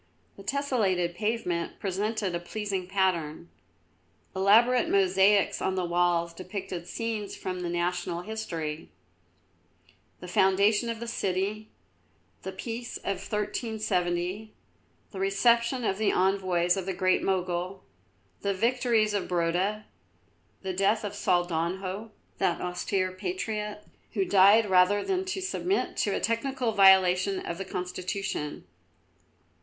The tessellated pavement presented a pleasing pattern. Elaborate mosaics on the walls depicted scenes from the national history: the foundation of the city; the peace of 1370; the reception of the envoys of the Great Mogul: the victory of Brota; the death of Saldanho, that austere patriot, who died rather than submit to a technical violation of the Constitution.